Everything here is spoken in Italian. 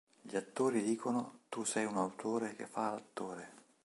Gli attori dicono: tu sei un autore che fa l'attore.